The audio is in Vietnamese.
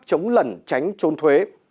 chống lẩn tránh chốn thuế